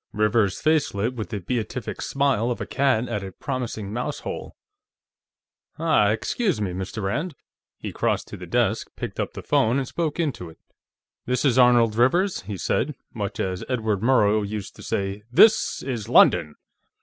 Rivers's face lit with the beatific smile of a cat at a promising mouse hole. "Ah, excuse me, Mr. Rand." He crossed to the desk, picked up the phone and spoke into it. "This is Arnold Rivers," he said, much as Edward Murrow used to say, _This is London!